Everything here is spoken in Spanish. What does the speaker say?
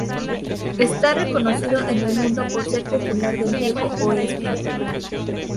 Está reconocido en el mundo por ser popular del viejo oeste.